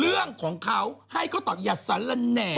เรื่องของเขาให้เขาตอบอย่าสรรละแหน่